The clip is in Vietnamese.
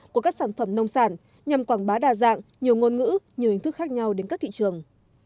của các sản phẩm nông sản nhằm quảng bá đa dạng nhiều ngôn ngữ nhiều hình thức khác nhau đến các thị trường